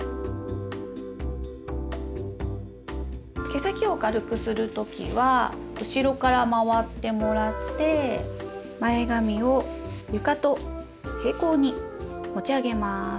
毛先を軽くする時は後ろから回ってもらって前髪を床と平行に持ち上げます。